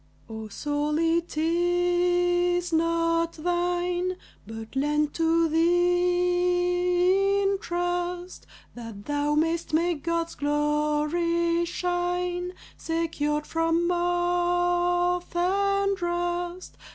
O soul, it is not thine, But lent to thee in trust That thou may'st make God's glory shine, Secured from moth and rust.